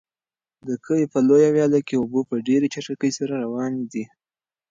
د کلي په لویه ویاله کې اوبه په ډېرې چټکۍ سره روانې دي.